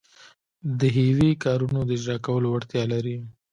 د حیوي کارونو د اجراکولو وړتیا لري.